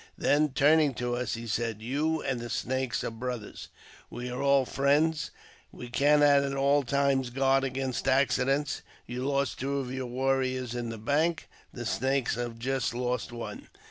Then turning to us, he said, " You and the Snakes are brothers ; we are all friends ; we cannot at all times guard against accidents. You lost two of your warriors in the bank, the Snakes have just lost one.